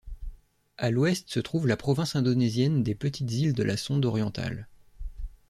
À l'ouest se trouve la province indonésienne des petites îles de la Sonde orientales.